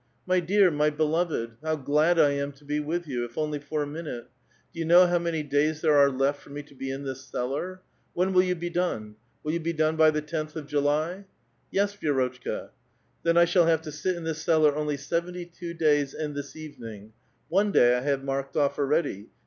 *' My dear, my beloved !^ how glad I am to be with you, i^ only for a minute ! Do you know how many days there B ve left for me to be in this cellar ? When will you be done ? 'W^ill you he done by the tenth of July ?"'* Yes, Vi^rotchka." " Xhen I shall have to sit in this cellar only seventy two ^^ys and this evening. One day I have marked off already.